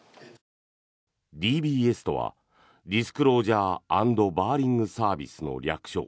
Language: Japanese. ＤＢＳとはディスクロージャー・アンド・バーリング・サービスの略称。